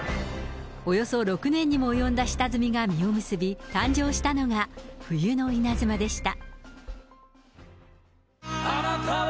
およそ６年にも及んだ下積みが実を結び、誕生したのが冬の稲妻でした。